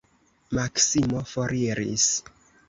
Maksimo foriris.